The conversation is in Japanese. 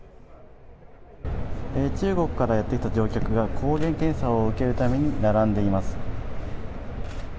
中国からやってきた乗客が抗原検査を受けるために並んでいます。